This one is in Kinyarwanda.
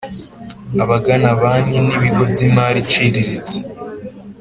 abagana banki n ibigo by imari iciriritse